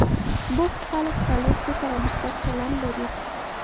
بوخت خلک سالم فکر او مثبت چلند لري.